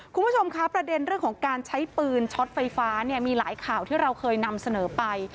คุณผู้ชมคะประเด็นเรื่องของการใช้ปืนช็อตไฟฟ้าเนี่ยมีหลายข่าวที่เราเคยนำเสนอไป